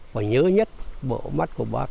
và nhớ nhất bộ mắt của bác